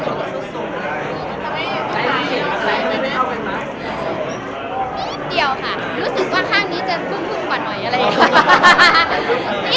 นิดเดียวค่ะรู้สึกว่าข้างนี้จะครึ่งกว่าหน่อยอะไรอย่างนี้